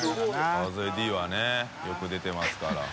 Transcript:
川添Ｄはねよく出てますから。